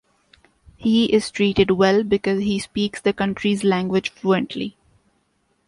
He is treated well because he speaks the country’s language fluently.